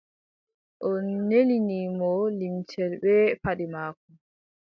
O nelini mo limcel bee paɗe maako.